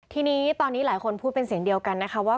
ทีนี้ตอนนี้หลายคนพูดเป็นเสียงเดียวกันนะคะว่า